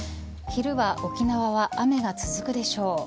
昼は沖縄は雨が続くでしょう。